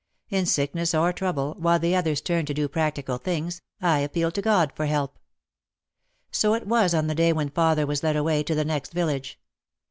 In sickness or trouble, while the others turned to do practical things, I appealed to God for help. So it was on the day when father was led away to the next village.